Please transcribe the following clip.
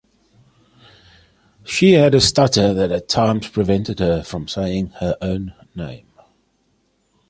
She had a stutter that at times prevented her from saying her own name.